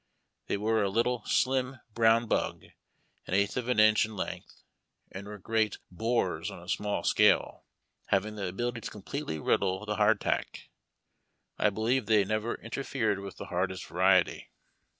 They were a little, slim, brown bug an eighth of an inch in length, and were great bores on a small scale, having the ability to completely riddle the hardtack. I believe they never interfered with the hardest variety.